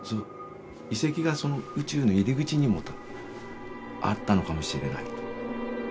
遺跡がその宇宙の入り口にもあったのかもしれないと。